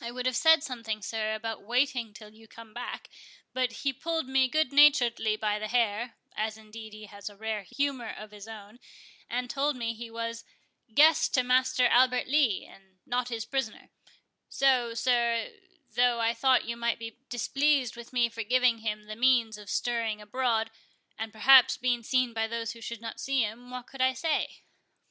I would have said something, sir, about waiting till you came back, but he pulled me goodnaturedly by the hair, (as, indeed, he has a rare humour of his own,) and told me, he was guest to Master Albert Lee, and not his prisoner; so, sir, though I thought you might be displeased with me for giving him the means of stirring abroad, and perhaps being seen by those who should not see him, what could I say?"